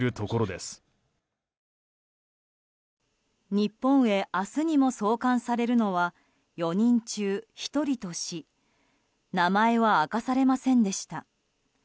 日本へ明日にも送還されるのは４人中１人とし名前は明かされませんでした。